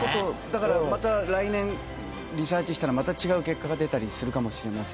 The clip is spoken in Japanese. だからまた来年リサーチしたらまた違う結果が出たりするかもしれませんし。